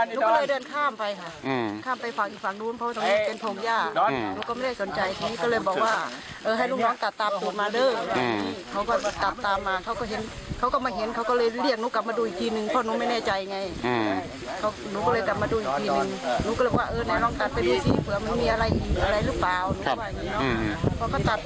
ใจไงเราก็เลยกลับมาดูอีกนึงนึกว่าเอ๊ะแน่น้องตัดไปดูสิเผื่อมันมีอะไรหรือเปล่า